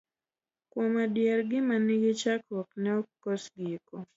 Kuom adier gima nigi chakruok ne ok kos giko.